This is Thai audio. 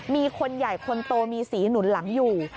มีคนใหญ่คนโตมีสีหนุนหลังอยู่